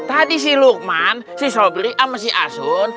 tadi si lukman si sobri sama si asun